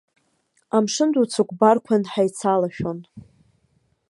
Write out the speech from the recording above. Амшын ду цәыкәбарқәан ҳаицалашәон.